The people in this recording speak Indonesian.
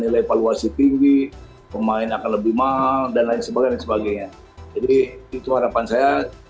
nilai valuasi tinggi pemain akan lebih mahal dan lain sebagainya jadi itu harapan saya